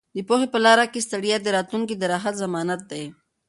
د پوهې په لاره کې ستړیا د راتلونکي د راحت ضمانت دی.